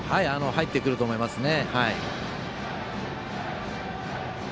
入ってくると思いますね。